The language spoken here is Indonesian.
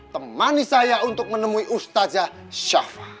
temani saya untuk menemui ustazah syafah